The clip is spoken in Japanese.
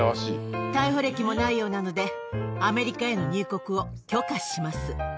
逮捕歴もないようなので、アメリカへの入国を許可します。